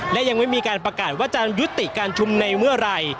และยังไม่มีการประกาศว่าจะยุติการชุมในเมื่อไหร่